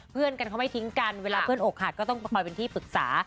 เพื่อนกันเขาไม่ทิ้งกันเวลาเพื่อนอกหักก็ต้องคอยเป็นที่ปรึกษา